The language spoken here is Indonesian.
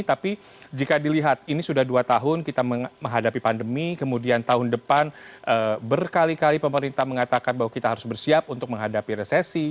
tapi jika dilihat ini sudah dua tahun kita menghadapi pandemi kemudian tahun depan berkali kali pemerintah mengatakan bahwa kita harus bersiap untuk menghadapi resesi